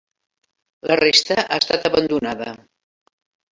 La resta ha estat abandonada.